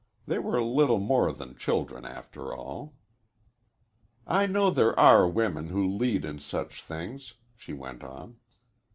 They were little more than children, after all. "I know there are women who lead in such things," she went on.